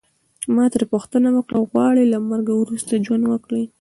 ما ترې پوښتنه وکړل غواړې له مرګه وروسته ژوند وکړې.